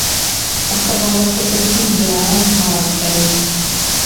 Аставалася толькі я з маткай.